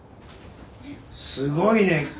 すごいね。